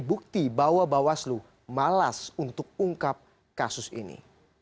bukti bahwa bawaslu malas untuk ungkap kasus ini